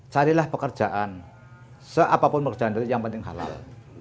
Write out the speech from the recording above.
carilah pekerjaan seapapun pekerjaan dari yang penting halal